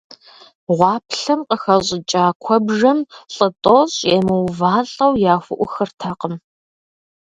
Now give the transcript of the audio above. Гъуаплъэм къыхэщӀыкӀа куэбжэм лӀы тӀощӀ емыувэлӀауэ яхуӀухыртэкъым.